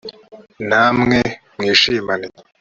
namwe mwishimane.